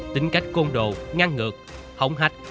tính cách công đồ ngăn ngược hổng hạch